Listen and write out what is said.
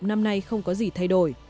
năm nay không có gì thay đổi